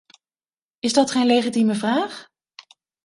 Is dat geen legitieme vraag?